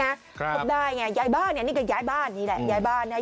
ครับพบได้ไงย้ายบ้านเนี่ยนี่ก็ย้ายบ้านนี่แหละย้ายบ้านนะ